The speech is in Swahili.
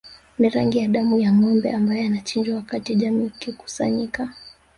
Ni rangi ya damu ya ngombe ambae anachinjwa wakati jamii ikikusanyika